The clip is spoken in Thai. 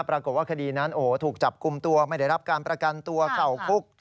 ปรากฏว่าคดีนั้นถูกจับกลุ่มตัวไม่ได้รับการประกันตัวเข้าคุก